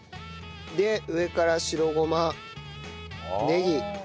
で上から白ごまネギ。